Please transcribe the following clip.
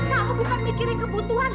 kamu bukan mikirin kebutuhan